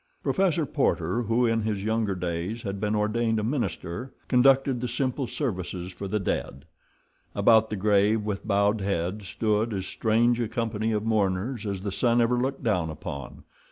Professor Porter, who in his younger days had been ordained a minister, conducted the simple services for the dead. About the grave, with bowed heads, stood as strange a company of mourners as the sun ever looked down upon.